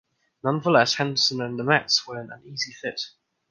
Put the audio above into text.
Nonetheless, Henderson and the Mets were an uneasy fit.